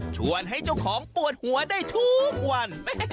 ชวนให้เจ้าของปวดหัวได้ทุกวัน